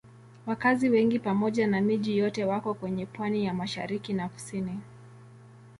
Wakazi wengi pamoja na miji yote wako kwenye pwani ya mashariki na kusini.